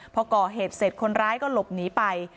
พอก่อเหตุเสร็จคนร้ายก็หลบหนีไป